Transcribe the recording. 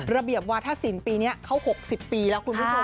ระเบียบวาธศิลป์ปีนี้เขา๖๐ปีแล้วคุณผู้ชม